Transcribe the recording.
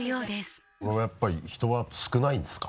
これはやっぱり人は少ないんですか？